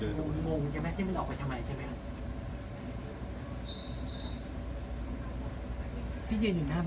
อืมเสื้อนี้กลัวนะครับ